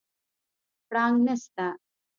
پړانګ نسته